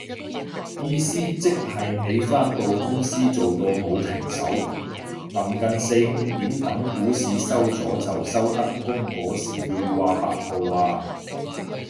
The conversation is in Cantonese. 意思即係你返到公司做到冇停手，臨近四五點等股市收咗就收得工嗰時會掛八號啊